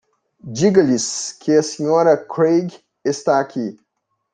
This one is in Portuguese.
Diga-lhes que a Sra. Craig está aqui.